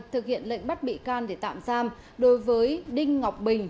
thực hiện lệnh bắt bị can để tạm giam đối với đinh ngọc bình